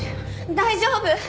大丈夫！